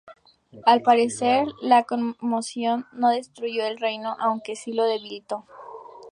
Al parecer, la conmoción no destruyó el reino aunque si lo debilitó.